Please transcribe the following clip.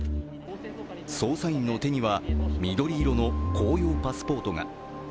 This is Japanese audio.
捜査員の手には緑色の公用パスポートが。